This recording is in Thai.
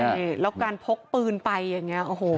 ใช่แล้วการพกปืนไปอย่างนี้โอ้โห